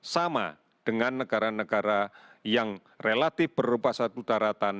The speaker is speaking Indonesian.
sama dengan negara negara yang relatif berupa satu daratan